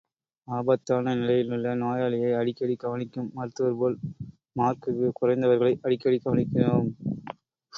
ஆபத்தான நிலையிலுள்ள நோயாளியை அடிக்கடி கவனிக்கும் மருத்துவர்போல், மார்க்குக் குறைந்தவர்களை அடிக்கடி கவனிக்கிறோம்.